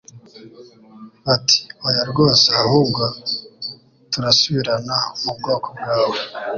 bati oya rwose Ahubwo turasubirana mu bwoko bwawe